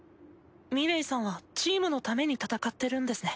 ミレイさんはチームのために戦ってるんですね。